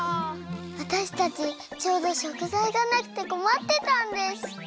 わたしたちちょうどしょくざいがなくてこまってたんです。